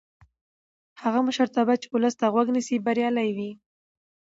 هغه مشرتابه چې ولس ته غوږ نیسي بریالی وي